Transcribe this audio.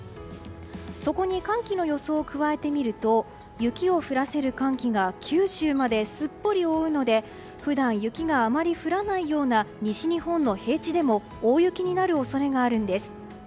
そこに寒気の予想を加えてみると雪を降らせる寒気が九州まですっぽり覆うので普段、雪があまり降らないような西日本の平地でも大雪になる恐れがあるんです。